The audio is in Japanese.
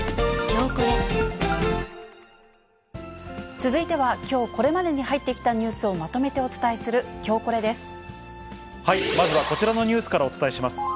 続いては、きょうこれまでに入ってきたニュースをまとめてお伝えするきょうまずはこちらのニュースからお伝えします。